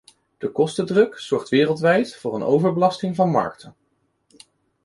De kostendruk zorgt wereldwijd voor een overbelasting van markten.